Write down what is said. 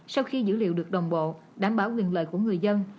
sau khi dữ liệu được đồng bộ đảm bảo quyền lợi của người dân